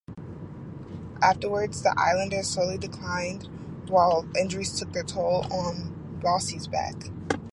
Afterwards, the Islanders slowly declined, while injuries took their toll on Bossy's back.